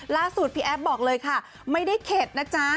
พี่แอฟบอกเลยค่ะไม่ได้เข็ดนะจ๊ะ